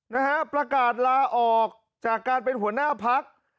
นะฮะประกาศลาออกจากการเป็นหัวหน้าพัก